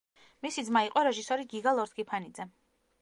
მისი ძმა იყო რეჟისორი გიგა ლორთქიფანიძე.